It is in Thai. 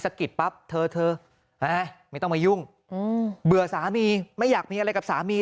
กิดปั๊บเธอเธอไม่ต้องมายุ่งเบื่อสามีไม่อยากมีอะไรกับสามี